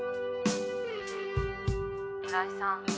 村井さん。